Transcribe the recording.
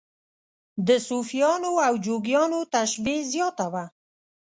د صوفیانو او جوګیانو تشبیه زیاته وه.